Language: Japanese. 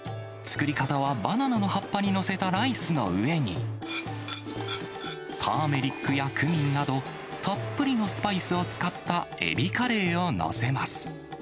作り方は、バナナの葉っぱに載せたライスの上に、ターメリックやクミンなど、たっぷりのスパイスを使ったエビカレーを載せます。